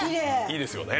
いいですよね。